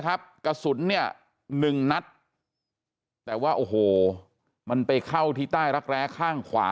กระสุนเนี่ยหนึ่งนัดแต่ว่าโอ้โหมันไปเข้าที่ใต้รักแร้ข้างขวา